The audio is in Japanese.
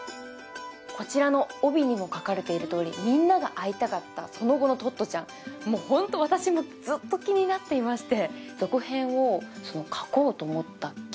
こちらの帯にも書かれているとおり、みんなが会いたかったその後のトットちゃん、本当私もずっと気になっていまして。